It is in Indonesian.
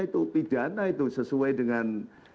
itu pidana itu sesuai dengan